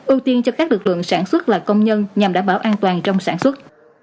ưu tiên cho các lực lượng sản xuất là công nhân nhằm đảm bảo an toàn trong sản xuất